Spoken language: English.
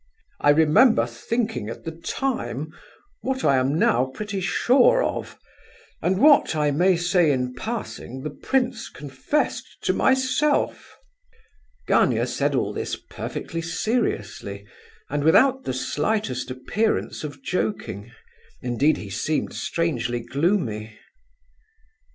I remember thinking at the time what I am now pretty sure of; and what, I may say in passing, the prince confessed to myself." Gania said all this perfectly seriously, and without the slightest appearance of joking; indeed, he seemed strangely gloomy.